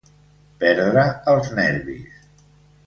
Perdre els nervis.